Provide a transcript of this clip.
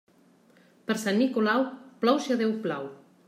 Per Sant Nicolau, plou si a Déu plau.